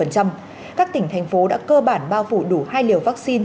các tỉnh thành phố đã cơ bản bao phủ đủ hai liều vaccine